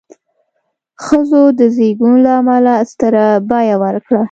ښځو د زېږون له امله ستره بیه ورکړه.